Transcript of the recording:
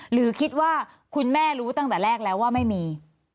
หรือคิดว่าคุณแม่รู้ตั้งแต่แรกแล้วว่าไม่มี